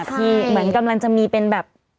ที่เหมือนกำลังจะมีเป็นแบบ